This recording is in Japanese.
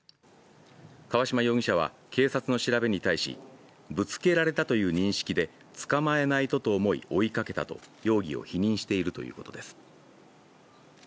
川島容疑者は警察の調べに対しぶつけられたという認識で捕まえないとと思い追いかけたと容疑を否認しているということです。